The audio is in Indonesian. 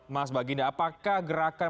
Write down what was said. mas baginda apakah gerakan